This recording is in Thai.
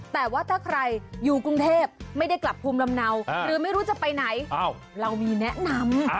แต่ว่าถ้าใครอยู่กรุงเทพไม่ได้กลับภูมิลำเนาหรือไม่รู้จะไปไหนเรามีแนะนำ